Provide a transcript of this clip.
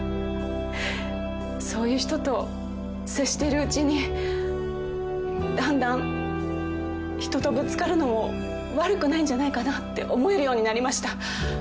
そういう人と接しているうちにだんだん人とぶつかるのも悪くないんじゃないかなって思えるようになりました。